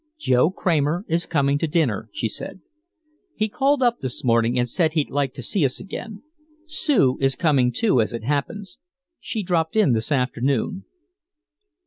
"Joe Kramer is coming to dinner," she said. "He called up this morning and said he'd like to see us again. Sue is coming, too, as it happens. She dropped in this afternoon."